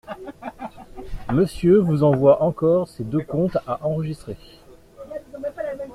Monsieur vous envoie encore ces deux comptes à enregistrer.